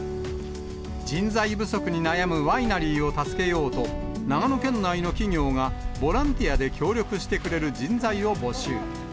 人材不足に悩むワイナリーを助けようと、長野県内の企業が、ボランティアで協力してくれる人材を募集。